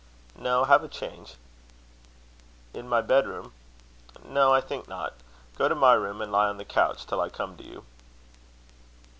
"No have a change." "In my bed room?" "No, I think not. Go to my room, and lie on the couch till I come to you."